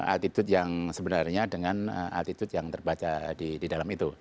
altitude yang sebenarnya dengan altitude yang terbaca di dalam itu